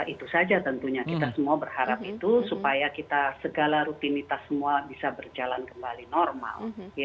itu saja tentunya kita semua berharap itu supaya kita segala rutinitas semua bisa berjalan kembali normal